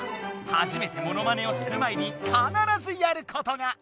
はじめてモノマネをする前にかならずやることが！